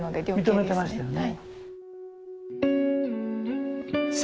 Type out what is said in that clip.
認めてましたよね。